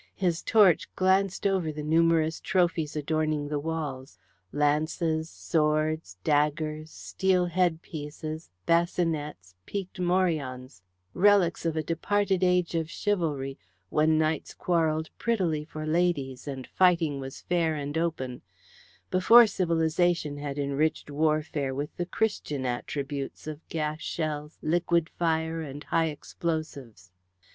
His torch glanced over the numerous trophies adorning the walls, lances, swords, daggers, steel head pieces, bascinets, peaked morions relics of a departed age of chivalry, when knights quarrelled prettily for ladies, and fighting was fair and open, before civilization had enriched warfare with the Christian attributes of gas shells, liquid fire, and high explosives.